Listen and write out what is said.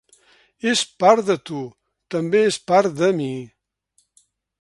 És part de tu, també és part de mi.